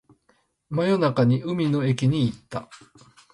真夜中に海の駅に行った